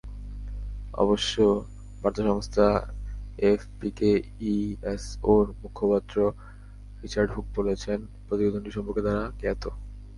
অবশ্য বার্তা সংস্থা এএফপিকে ইএসওর মুখপাত্র রিচার্ড হুক বলেছেন, প্রতিবেদনটি সম্পর্কে তাঁরা জ্ঞাত।